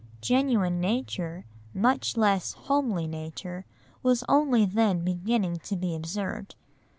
Genuine nature, much less homely nature, was only then beginning to be observed.